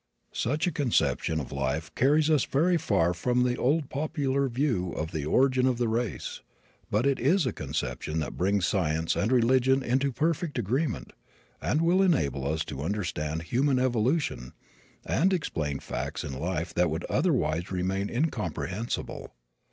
Such a conception of life carries us very far from the old popular view of the origin of the race, but it is a conception that brings science and religion into perfect agreement and will enable us to understand human evolution and explain facts in life that would otherwise remain incomprehensible.